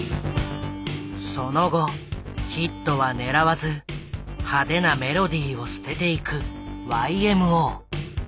その後ヒットは狙わず派手なメロディーを捨てていくＹＭＯ。